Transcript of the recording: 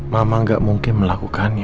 mama gak mungkin melakukannya